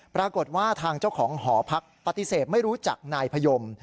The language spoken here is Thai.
ปรากฏว่าทางเจ้าของหอพักปฏิเสธไม่รู้จักนายพยม